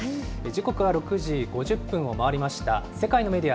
時刻は６時５０分を回りました。